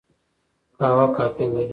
قهوه کافین لري